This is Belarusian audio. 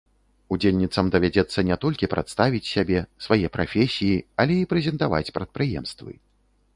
Удзельніцам давядзецца не толькі прадставіць сябе, свае прафесіі, але і прэзентаваць прадпрыемствы.